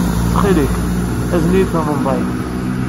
Ttxil-k, azen-iyi-d tamenḍayt.